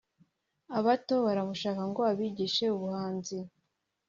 abato baramushaka ngo abigishe ubuhanzi